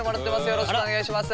よろしくお願いします。